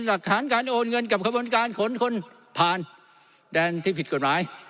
หลักฐานการโอนเงินกับขบวนการขนคนผ่านแดนที่ผิดกฎหมาย